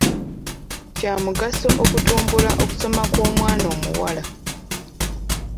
Kya mugaso okutumbula okusoma kw'omwana omuwala.